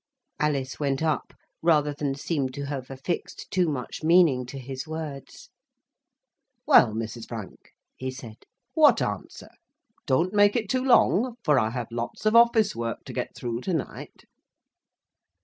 Alice went up, rather than seem to have affixed too much meaning to his words. "Well, Mrs. Frank," he said, "what answer? Don't make it too long; for I have lots of office work to get through to night."